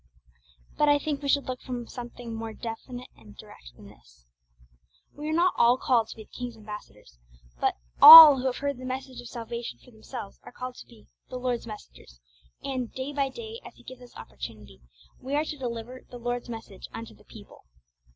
But I think we should look for something more direct and definite than this. We are not all called to be the King's ambassadors, but all who have heard the messages of salvation for themselves are called to be 'the Lord's messengers,' and day by day, as He gives us opportunity, we are to deliver 'the Lord's message unto the people.'